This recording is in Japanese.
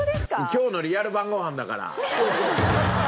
今日のリアル晩ご飯だから。